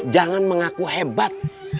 jangan mengaku hebat